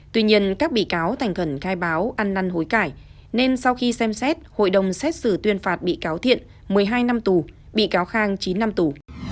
tuy nhiên các bị cáo thành khẩn khai báo ăn năn hối cải nên sau khi xem xét hội đồng xét xử tuyên phạt bị cáo thiện một mươi hai năm tù bị cáo khang chín năm tù